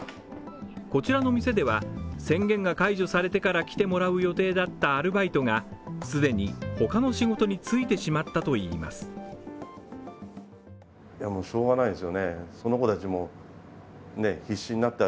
こちらの店では、宣言が解除されてから来てもらう予定だったアルバイトが既に他の仕事に就いてしまったといいます